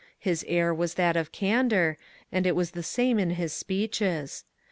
His air was that of candour, and it was the same in his speeches.